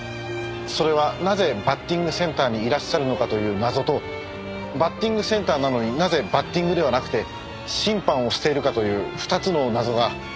それはなぜバッティングセンターにいらっしゃるのかという謎とバッティングセンターなのになぜバッティングではなくて審判をしているかという２つの謎が。